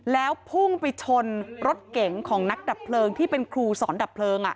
แล้วพุ่งไปชนรถเก๋งของนักดับเพลิงที่เป็นครูสอนดับเพลิง